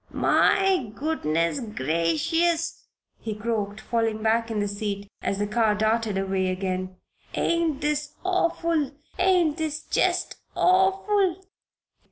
"My goodness gracious!" he croaked, falling back in the seat as the car darted away again. "Ain't this awful? Ain't this jest awful?"